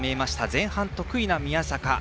前半、得意な宮坂。